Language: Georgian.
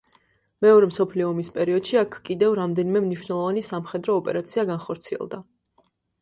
მეორე მსოფლიო ომის პერიოდში აქ კიდევ რამდენიმე მნიშვნელოვანი სამხედრო ოპერაცია განხორციელდა.